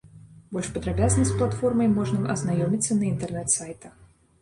Больш падрабязна з платформай можна азнаёміцца на інтэрнэт-сайтах.